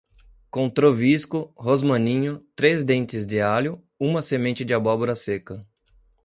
com trovisco, rosmaninho, três dentes de alho, uma semente de abóbora seca